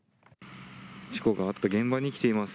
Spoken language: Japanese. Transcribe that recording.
事故があった現場に来ています。